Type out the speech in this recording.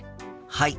はい。